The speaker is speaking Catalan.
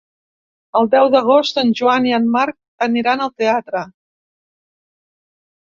El deu d'agost en Joan i en Marc aniran al teatre.